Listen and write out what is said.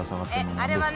あれはね